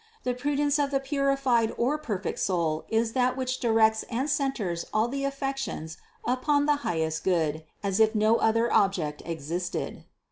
The prudence of the purified or perfect soul is that which directs and centres all the affections upon the highest Good, as if no other object existed.